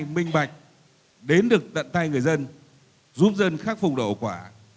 hai minh bạch đến được tận tay người dân giúp dân khắc phục hậu quả